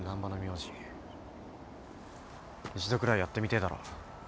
一度くらいやってみてえだろ。